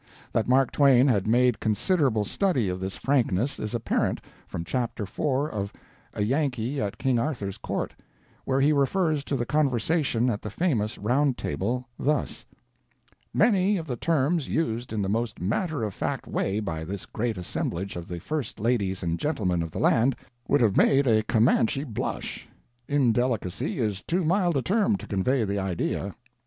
That Mark Twain had made considerable study of this frankness is apparent from chapter four of 'A Yankee At King Arthur's Court,' where he refers to the conversation at the famous Round Table thus: "Many of the terms used in the most matter of fact way by this great assemblage of the first ladies and gentlemen of the land would have made a Comanche blush. Indelicacy is too mild a term to convey the idea.